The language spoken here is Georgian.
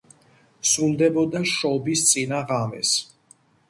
სრულდებოდა შობის წინა ღამეს.